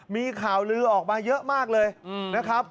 มีข่าวลือออกมาเยอะมากเลยนะครับ